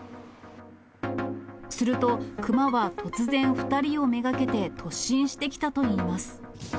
すると、熊は突然、２人を目がけて突進してきたといいます。